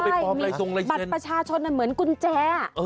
บัตรประชาชนเหมือนกุญแจ